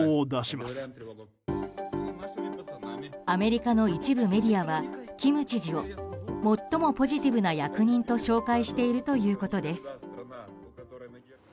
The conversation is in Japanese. アメリカの一部メディアはキム知事を最もポジティブな役人と紹介しているということです。